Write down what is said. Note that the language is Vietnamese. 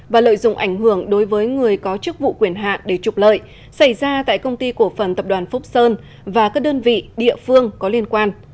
và lợi dụng ảnh hưởng đối với người có chức vụ quyền hạ để trục lợi xảy ra tại công ty cổ phần tập đoàn phúc sơn và các đơn vị địa phương có liên quan